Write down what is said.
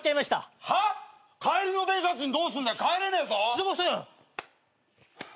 すいません！